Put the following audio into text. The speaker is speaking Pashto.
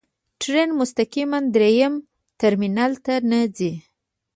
ټرین مستقیماً درېیم ټرمینل ته نه ځي.